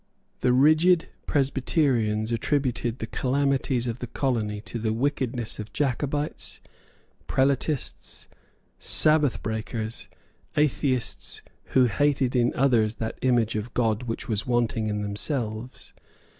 The rigid Presbyterians attributed the calamities of the colony to the wickedness of Jacobites, Prelatists, Sabbath breakers, Atheists, who hated in others that image of God which was wanting in themselves.